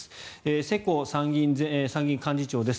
世耕参議院幹事長です。